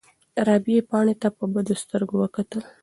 رابعې پاڼې ته په بدو سترګو وکتل.